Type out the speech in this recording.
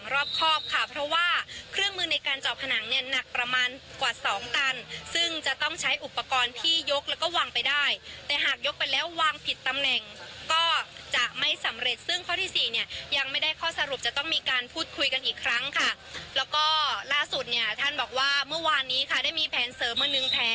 รอบครอบค่ะเพราะว่าเครื่องมือในการเจาะผนังเนี่ยหนักประมาณกว่าสองตันซึ่งจะต้องใช้อุปกรณ์ที่ยกแล้วก็วางไปได้แต่หากยกไปแล้ววางผิดตำแหน่งก็จะไม่สำเร็จซึ่งข้อที่สี่เนี่ยยังไม่ได้ข้อสรุปจะต้องมีการพูดคุยกันอีกครั้งค่ะแล้วก็ล่าสุดเนี่ยท่านบอกว่าเมื่อวานนี้ค่ะได้มีแผนเสริมมาหนึ่งแผน